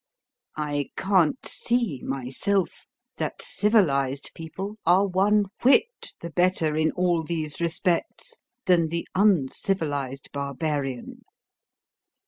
I can't see, myself, that civilised people are one whit the better in all these respects than the uncivilised barbarian.